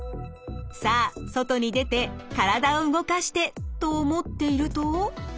「さあ外に出て体を動かして」と思っていると。